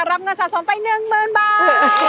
รับเงินสะสมไป๑๐๐๐บาท